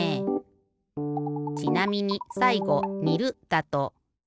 ちなみにさいご「にる」だと。